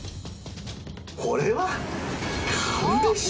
これは買うでしょ！